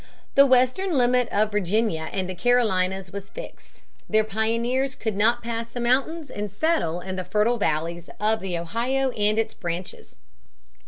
The western limit of Virginia and the Carolinas was fixed. Their pioneers could not pass the mountains and settle in the fertile valleys of the Ohio and its branches.